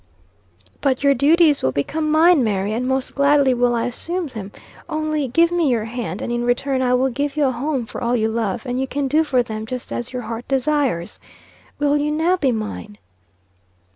"But, your duties will become mine, Mary; and most gladly will I assume them. Only give me your hand, and in return I will give you a home for all you love, and you can do for them just as your heart desires. Will you now be mine?"